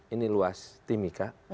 ini luas timika